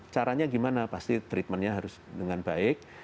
caranya gimana pasti treatmentnya harus dengan baik